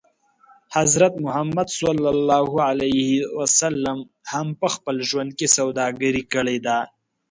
حضرت محمد ص هم په خپل ژوند کې سوداګري کړې ده.